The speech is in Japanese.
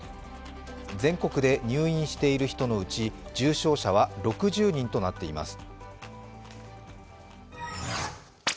全国で入院している人のうち重症者は６０人となっています。